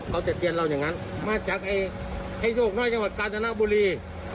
เขาจะเปลี่ยนเราอย่างนั้นมาจากไอ้ให้โยกน้อยจังหวัดกาญตนาบุรี